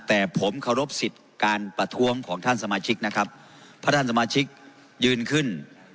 แต่ผมเคารพสิทธิ์การประท้วงของท่านสมาชิกนะครับเพราะท่านสมาชิกยืนขึ้น